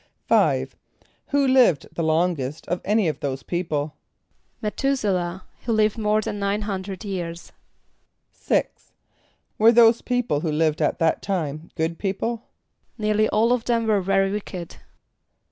= =5.= Who lived the longest of any of those people? =M[+e] th[u:]´se lah, who lived more than nine hundred years.= =6.= Were those who lived at that time good people? =Nearly all of them were very wicked.